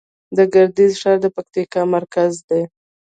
د ګردیز ښار د پکتیا مرکز دی